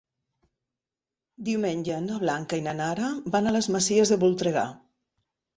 Diumenge na Blanca i na Nara van a les Masies de Voltregà.